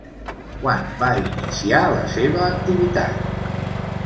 Quan va iniciar la seva activitat?